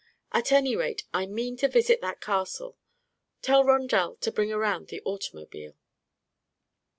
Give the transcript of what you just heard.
At any rate I mean to visit that castle. Tell Rondel to bring around the automobile."